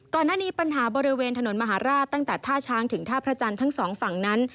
ก่อนหน้านี้ปัญหาบริเวณถนนมหาราชตั้งแต่ท่าช้างถึงท่าพระจันทร์ทั้งสองฝั่งนั้น